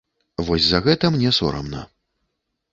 Вось за гэта мне сорамна.